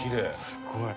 すごい。